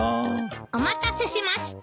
お待たせしました。